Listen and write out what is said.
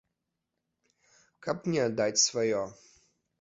Каб не аддаць сваё.